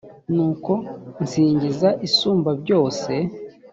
nuko nsingiza isumbabyose